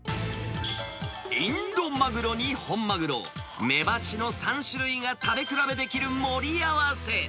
インドマグロに本マグロ、メバチの３種類が食べ比べできる盛り合わせ。